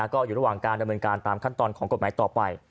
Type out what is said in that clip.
ก็อยู่ระหว่างการดำเนินการตามขั้นตอนของกฎหมายต่อไป